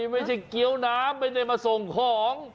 ไม่ใช่เกี้ยวน้ำไม่ได้มาส่งของ